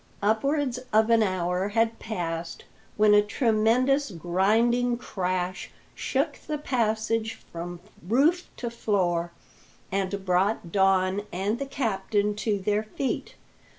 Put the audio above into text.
Upwards of an hour had passed when a tremendous grinding crash shook the passage from roof to floor, and brought Don and the captain to their feet.